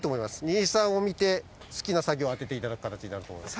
二井さんを見て好きな作業を当てて頂く形になると思います。